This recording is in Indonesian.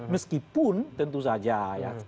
meskipun tentu saja ya